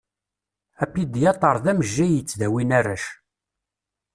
Apidyatṛ d amejjay yettdawin arrac.